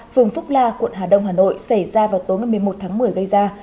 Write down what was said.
phường phúc la quận hà đông hà nội xảy ra vào tối một mươi một tháng một mươi gây ra